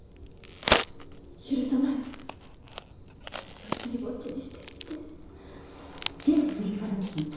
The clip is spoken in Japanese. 許さない私を独りぼっちにしてって。